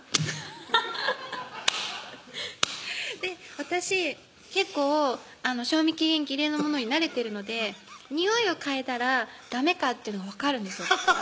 アハハッ私結構賞味期限切れのものに慣れてるのでにおいを嗅いだらダメかっていうのが分かるんです